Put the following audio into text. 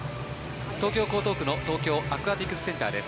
東京・江東区の東京アクアティクスセンターです。